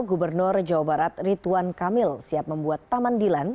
gubernur jawa barat rituan kamil siap membuat taman dilan